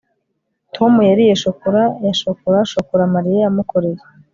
tom yariye shokora ya shokora shokora mariya yamukoreye